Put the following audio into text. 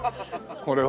これは。